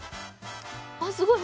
あっすごい。